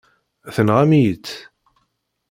Tenɣam-iyi-tt.